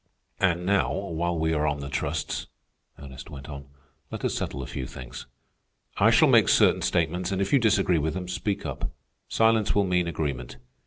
"And now, while we are on the trusts," Ernest went on, "let us settle a few things. I shall make certain statements, and if you disagree with them, speak up. Silence will mean agreement.